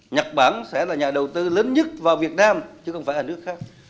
nhật bản sẽ là nhà đầu tư lớn nhất vào việt nam chứ không phải là nước khác